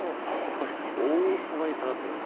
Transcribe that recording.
大幅に下がっています。